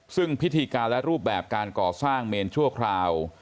ซึ่งพิธีการและรูปแบบการก่อสร้างเมนชั่วคราว